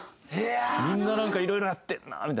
みんななんかいろいろやってるなみたいな。